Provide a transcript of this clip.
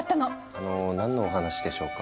あの何のお話でしょうか？